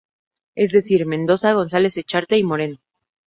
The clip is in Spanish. Es decir: Mendoza, González-Echarte y Moreno.